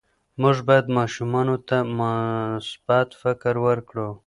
موږ باید ماشومانو ته مثبت فکر ورکړو.